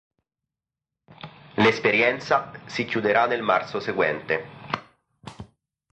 L'esperienza si chiuderà nel marzo seguente.